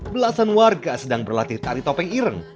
belasan warga sedang berlatih tari topeng ireng